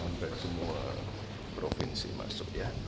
hampir semua provinsi masuk ya